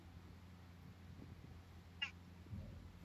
劳动女性主义是一个在美国妇女获得投票权后出现的运动。